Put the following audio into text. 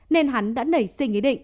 nên hắn đã nảy sinh ý định